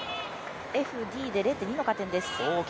Ｆ、Ｄで０．２の加点です。